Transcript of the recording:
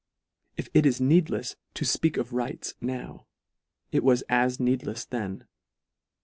If it is needlefs " to fpeak of rights" now, it was as needlefs then.